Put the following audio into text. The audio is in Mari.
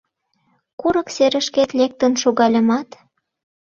Курык серышкет лектын шогальымат